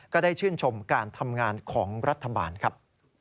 ก็ได้ชื่นชมการทำงานของรัฐบาลครับ